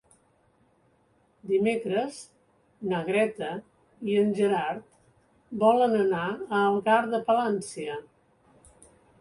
Dimecres na Greta i en Gerard volen anar a Algar de Palància.